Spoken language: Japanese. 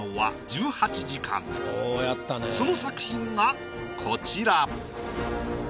その作品がこちら。